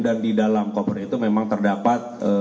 dan di dalam koper itu memang terdapat